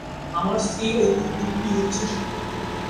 আমার স্ত্রী ও পুত্র খুবই উচ্ছ্বসিত।